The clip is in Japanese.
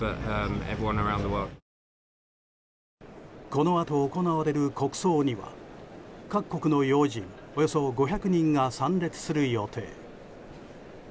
このあと行われる国葬には各国の要人およそ５００人が参列する予定。